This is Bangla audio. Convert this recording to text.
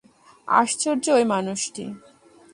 আশ্চর্য ঐ মানুষটি।